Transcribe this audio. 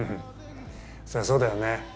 そりゃそうだよね。